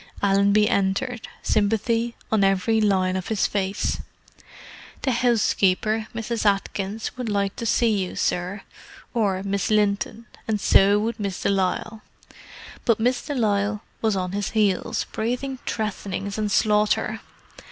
Allenby entered—sympathy on every line of his face. "The 'ousekeeper—Mrs. Atkins—would like to see you, sir. Or Miss Linton. And so would Miss de Lisle." But Miss de Lisle was on his heels, breathing threatenings and slaughter.